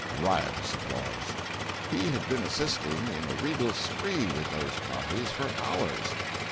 [Riotous applause.] He had been assisting in a regal spree with those parties for hours.